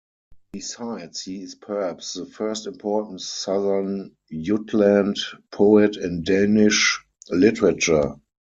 Besides he is perhaps the first important Southern Jutland poet in Danish literature.